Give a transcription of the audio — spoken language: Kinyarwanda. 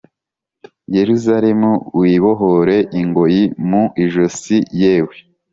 Yerusalemu wibohore ingoyi mu ijosi yewe